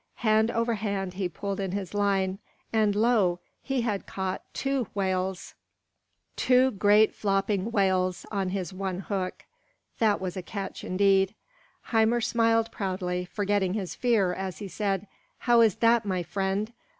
Hand over hand he pulled in his line, and lo! he had caught two whales two great flopping whales on his one hook! That was a catch indeed. Hymir smiled proudly, forgetting his fear as he said, "How is that, my friend?